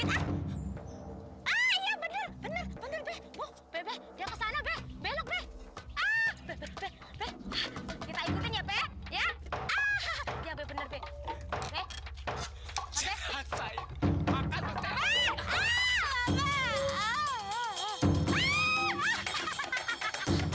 nih pakai ginian mak nih pakai teropong nih